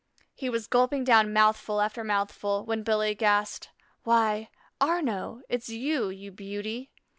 He was gulping down mouthful after mouthful, when Billy gasped: "Why, Arnaux, it's you, you beauty."